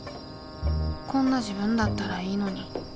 こんな自分だったらいいのに。